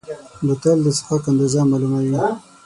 بوتل د څښاک اندازه معلوموي.